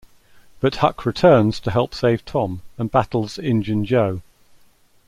But Huck returns to help save Tom, and battles Injun Joe.